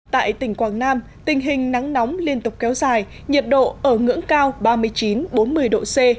tại tỉnh quảng nam tình hình nắng nóng liên tục kéo dài nhiệt độ ở ngưỡng cao ba mươi chín bốn mươi độ c